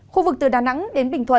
khu vực từ đà nẵng đến bình thuận